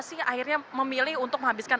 sih akhirnya memilih untuk menghabiskan